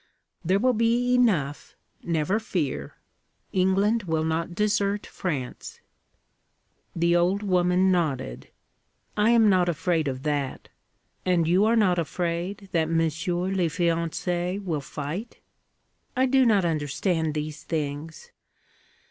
There will be enough, never fear. England will not desert France.' The old woman nodded. 'I am not afraid of that. And you are not afraid that monsieur le fiancé will fight? I do not understand these things.